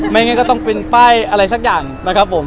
งั้นก็ต้องเป็นป้ายอะไรสักอย่างนะครับผม